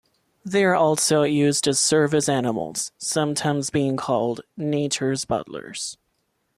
They are also used as service animals, sometimes being called "nature's butlers".